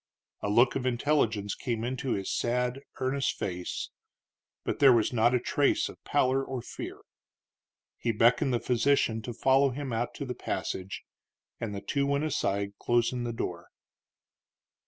A look of intelligence came into his sad, earnest face, but there was not a trace of pallor or fear. He beckoned the physician to follow him out to the passage, and the two went aside, closing the door.